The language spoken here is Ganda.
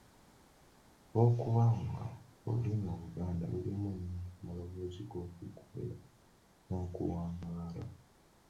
Olw'okuba nga olulimi Oluganda lulimu nnyo amaloboozi g'okuggumira n'okuwangaala.